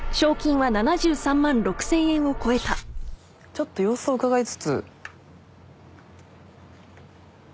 ちょっと様子をうかがいつつ。